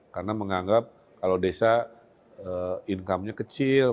karena menganggap kalau desa income nya kecil